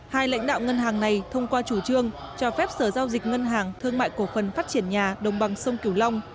hai lãnh đạo ngân hàng này thông qua chủ trương cho phép sở giao dịch ngân hàng thương mại cổ phần phát triển nhà đồng bằng sông cửu long